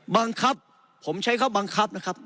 บังคับผมใช้คำบังคับนะครับ